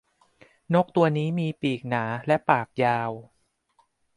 นกตัวนี้มีปีกหนา และปากยาว